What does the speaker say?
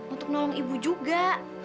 untuk nolong ibu juga